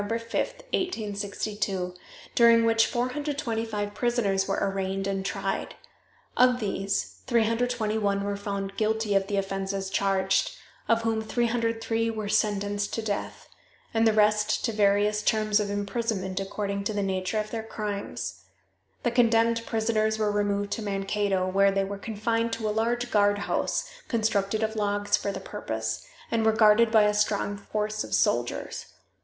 5, 1862, during which 425 prisoners were arraigned and tried. Of these 321 were found guilty of the offenses charged, of whom 303 were sentenced to death, and the rest to various terms of imprisonment according to the nature of their crimes. The condemned prisoners were removed to Mankato, where they were confined in a large guardhouse, constructed of logs for the purpose, and were guarded by a strong force of soldiers.